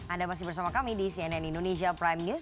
anda masih bersama kami di cnn indonesia prime news